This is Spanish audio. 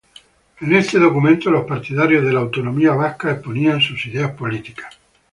En este documento los partidarios de la autonomía vasca exponían sus ideas políticas.